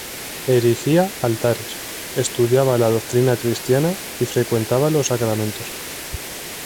Erigía altares, estudiaba la doctrina cristiana y frecuentaba los sacramentos.